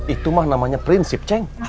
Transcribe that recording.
itu mah namanya prinsip cheng